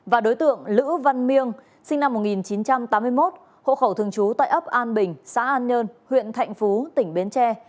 và đối tượng lữ văn miêng sinh năm một nghìn chín trăm tám mươi một hộ khẩu thường trú tại ấp an bình xã an nhơn huyện thạnh phú tỉnh bến tre